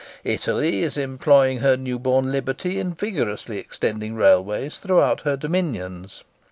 Italy is employing her new born liberty in vigorously extending railways throughout her dominions.